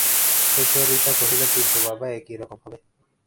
সুচরিতা কহিল, কিন্তু বাবা, এ কী রকম হবে!